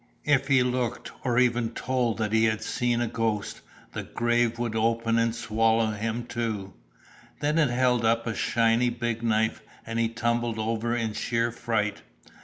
If he looked, or even told that he had seen a ghost, the grave would open and swallow him too. Then it held up a 'shiny big knife' and he tumbled over in sheer fright.